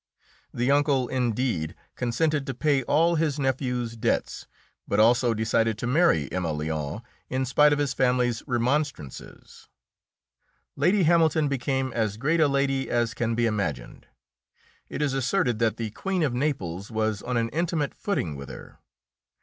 The uncle, indeed, consented to pay all his nephew's debts, but also decided to marry Emma Lyon in spite of his family's remonstrances. Lady Hamilton became as great a lady as can be imagined. It is asserted that the Queen of Naples was on an intimate footing with her.